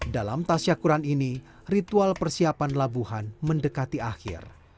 dalam tasyakuran ini ritual persiapan labuhan mendekati akhir